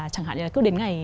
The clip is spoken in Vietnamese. chẳng hạn là cứ đến ngày